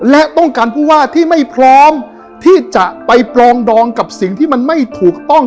และต้องการผู้ว่าที่ไม่พร้อมที่จะไปปลองดองกับสิ่งที่มันไม่ถูกต้อง